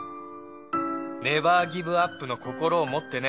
ネバーギブアップの心を持ってね。